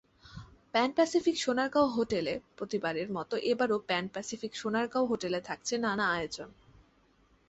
Pan Pacific Sonargaon হোটেলপ্রতিবারের মতো এবারও প্যান প্যাসিফিক সোনারগাঁও হোটেলে থাকছে নানা আয়োজন।